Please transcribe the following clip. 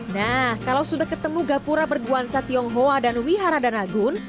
nah kalau sudah ketemu gapura berduan sa tionghoa dan wihara dan agun